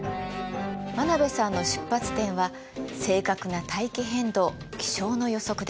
真鍋さんの出発点は正確な大気変動気象の予測でした。